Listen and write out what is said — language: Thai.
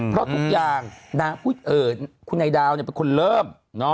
เพราะทุกอย่างคุณนายดาวเป็นคนเริ่ม